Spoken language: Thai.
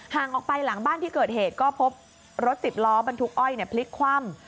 ออกไปหลังบ้านที่เกิดเหตุก็พบรถสิบล้อบรรทุกอ้อยพลิกคว่ำ